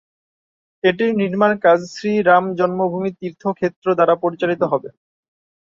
এটির নির্মাণকাজ শ্রী রাম জন্মভূমি তীর্থ ক্ষেত্র দ্বারা পরিচালিত হবে।